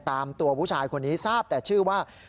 ตามตัวผู้ชายคนนี้ทราบแต่ชื่อว่า